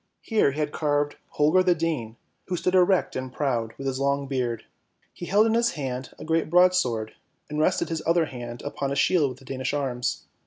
Here he had carved Holger the Dane, who stood erect and proud, with his long beard. He held in his hand a great broadsword, and rested his other hand upon a shield with the Danish Arms.